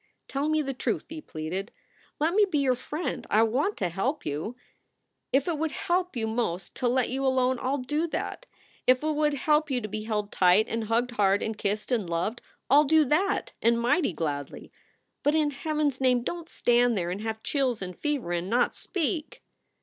"Tell me the truth," he pleaded. "Let me be your friend. I want to help you. If it would help you most to let you alone, I ll do that. If it would help you to be held tight and hugged hard and kissed and loved I ll do that, and mighty gladly. But in Heaven s name, don t stand there and have chills and fever and not speak!"